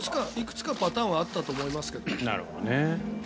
いくつかパターンはあったと思いますけどね。